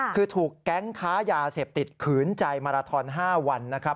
คือถูกแก๊งค้ายาเสพติดขืนใจมาราทอน๕วันนะครับ